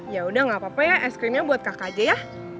ya udah gak apa apa ya es krimnya buat kakak aja ya